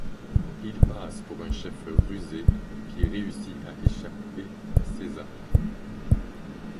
Il passe pour un chef rusé, qui réussit à échapper à César.